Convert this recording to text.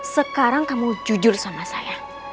sekarang kamu jujur sama saya